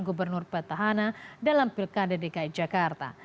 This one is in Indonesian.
agung menyebutkan gubernur petahana dalam pilkada dki jakarta